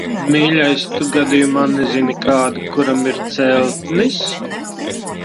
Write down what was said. Mīļais, tu gadījumā nezini kādu, kuram ir celtnis?